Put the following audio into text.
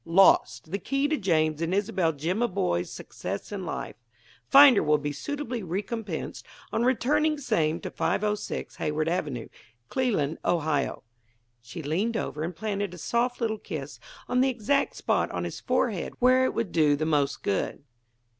'Lost: the key to James and Isobel Jimaboy's success in life. Finder will be suitably recompensed on returning same to 506 Hayward Avenue, Cleland, Ohio.'" She leaned over and planted a soft little kiss on the exact spot on his forehead where it would do the most good.